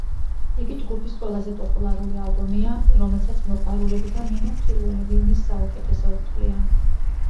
იგი ჯგუფის ყველაზე პოპულარული ალბომია, რომელსაც მოყვარულები და მიმომხილველები მის საუკეთესოდ თვლიან.